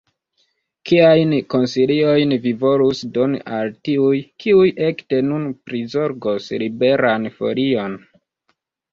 Kiajn konsilojn vi volus doni al tiuj, kiuj ekde nun prizorgos Liberan Folion?